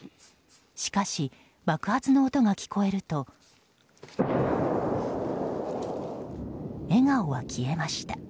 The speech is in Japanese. しかし、爆発の音が聞こえると笑顔は消えました。